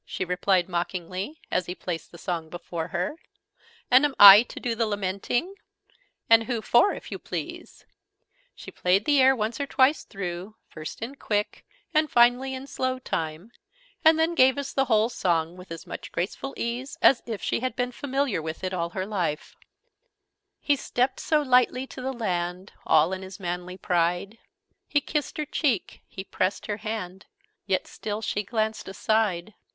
she replied mockingly, as he placed the song before her. "And am I to do the lamenting? And who for, if you please?" She played the air once or twice through, first in quick, and finally in slow, time; and then gave us the whole song with as much graceful ease as if she had been familiar with it all her life: "He stept so lightly to the land, All in his manly pride: He kissed her cheek, he pressed her hand, Yet still she glanced aside.